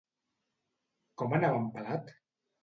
Com anava en Pelat?